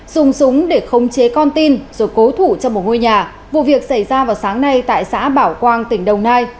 dùng súng để khống chế con tin rồi cố thủ trong một ngôi nhà vụ việc xảy ra vào sáng nay tại xã bảo quang tỉnh đồng nai